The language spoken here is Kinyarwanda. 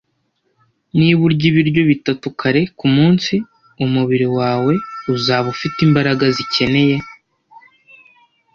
Niba urya ibiryo bitatu kare kumunsi, umubiri wawe uzaba ufite imbaraga zikeneye